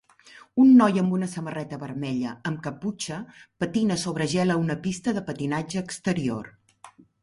un noi amb una samarreta vermella amb caputxa patina sobre gel a una pista de patinatge exterior.